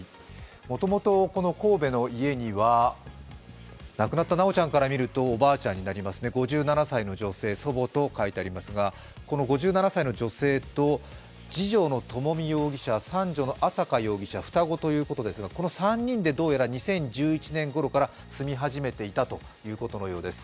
もともと神戸の家には亡くなった修ちゃんから見るとおばあちゃんになりますね、５７歳の女性、祖母と書いてありますが、この５７歳の女性と次女の朝美容疑者、三女の朝華容疑者、双子ということですが、この３人でどうやら２０１１年ごろから住み始めていたということのようです。